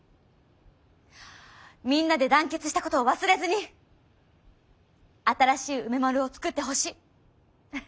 みんなで団結したことを忘れずに新しい梅丸を作ってほしい。